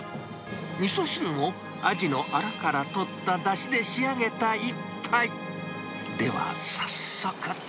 みそ汁も、アジのあらからとっただしで仕上げた一杯。